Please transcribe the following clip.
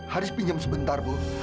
haris pinjam sebentar bu